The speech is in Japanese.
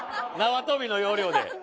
縄跳びの要領で。